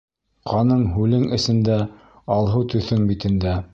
Ҡаның-һүлең эсендә, алһыу төҫөң битендә